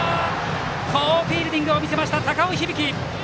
好フィールディングを見せた高尾響。